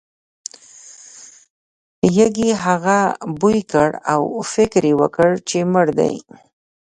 یږې هغه بوی کړ او فکر یې وکړ چې مړ دی.